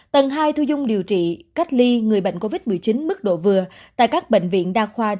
tầng hai thu dung điều trị cách ly người bệnh covid một mươi chín mức độ vừa tại các bệnh viện đa khoa